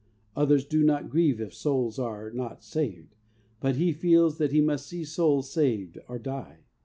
Others do not grieve if souls are not saved, but he feels that he must see souls saved, or die.